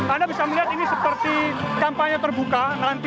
anda bisa melihat ini seperti kampanye terbuka